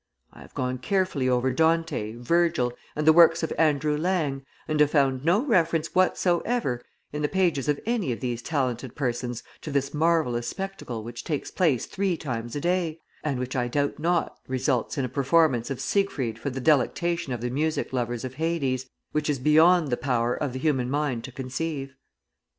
I have gone carefully over Dante, Virgil, and the works of Andrew Lang, and have found no reference whatsoever in the pages of any of these talented persons to this marvellous spectacle which takes place three times a day, and which I doubt not results in a performance of Siegfried for the delectation of the music lovers of Hades, which is beyond the power of the human mind to conceive.